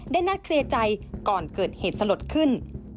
นัดเคลียร์ใจก่อนเกิดเหตุสลดขึ้น